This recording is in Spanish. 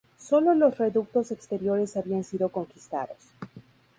Sólo los reductos exteriores habían sido conquistados.